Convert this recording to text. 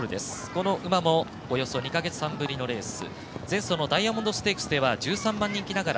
この馬もおよそ２か月半ぶりのレース。